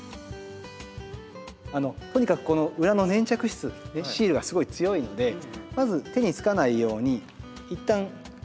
とにかくこの裏の粘着質シールがすごい強いのでまず手につかないように一旦手をぬらします。